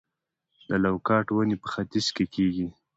د لوکاټ ونې په ختیځ کې کیږي؟